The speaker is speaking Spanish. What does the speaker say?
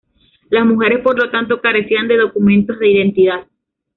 Las mujeres por lo tanto carecían de documento de identidad.